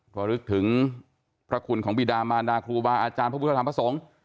เพราะลึกถึงพระคุณของบิดามารดาครูบาอาจารย์พระพุทธธรรมพระสงฆ์